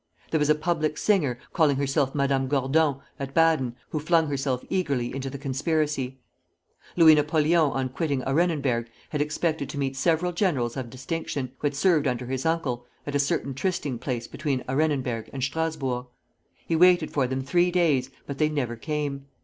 There was a public singer, calling herself Madame Gordon, at Baden, who flung herself eagerly into the conspiracy. Louis Napoleon on quitting Arenenberg had expected to meet several generals of distinction, who had served under his uncle, at a certain trysting place between Arenenberg and Strasburg. He waited for them three days, but they never came.